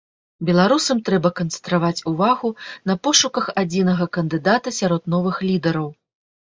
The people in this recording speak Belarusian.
Беларусам трэба канцэнтраваць увагу на пошуках адзінага кандыдата сярод новых лідараў.